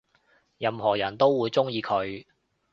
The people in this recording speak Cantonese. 任何人都會鍾意佢